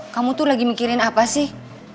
kamu tuh lagi mikirin apa sih